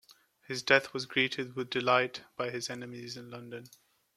His death was greeted with delight by his enemies in London.